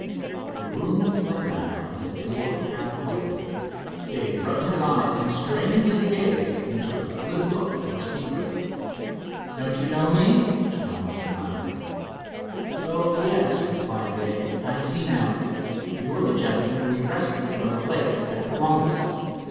The room was lighter now, with the door half open. Dave rubbed his eyes and strained his gaze, and took a good look at the speaker. "Don't you know me?" challenged the latter. "Oh, yes," replied Dave, "I see now. You are the gentleman we rescued from the lake at Columbus."